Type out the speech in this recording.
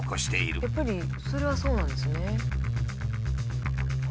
やっぱりそれはそうなんですね。